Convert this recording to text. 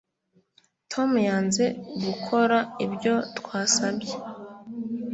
Tom yanze gukora ibyo twasabye